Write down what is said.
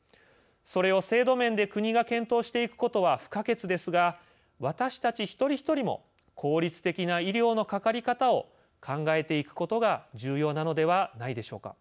それを制度面で国が検討していくことは不可欠ですが私たち１人１人も効率的な医療のかかり方を考えていくことが重要なのではないでしょうか。